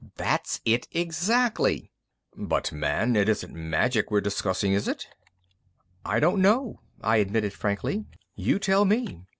"That's it exactly." "But, man, it isn't magic we're discussing, is it?" "I don't know," I admitted frankly. "You tell me.